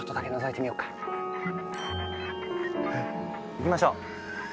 いきましょう！